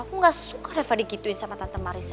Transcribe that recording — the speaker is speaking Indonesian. aku gak suka reva digituin sama tante marisa